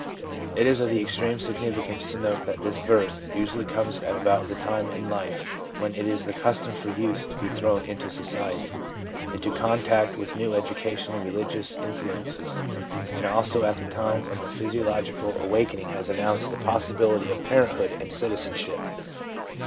It is of extreme significance to note that this birth usually comes at about the time in life when it is the custom for youths to be thrown into society, into contact with new educational and religious influ ences, and also at the time when the physiological awakening has announced the possibility of parenthood and citizenship.